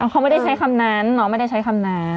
เขาไม่ได้ใช้คำนั้นน้องไม่ได้ใช้คำนั้น